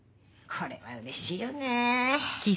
これはうれしいよね。